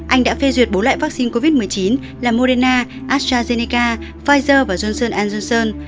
anh đã phê duyệt bốn loại vaccine covid một mươi chín là moderna astrazeneca pfizer và johnson johnson